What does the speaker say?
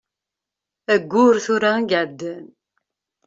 Ayyur tura i iεeddan.